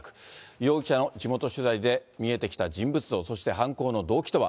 容疑者の地元取材で見えてきた人物像、そして犯行の動機とは。